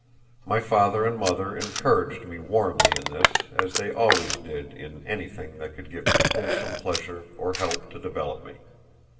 My father and mother encouraged me warmly in this, as they always did in anything that could give me wholesome pleasure or help to develop me.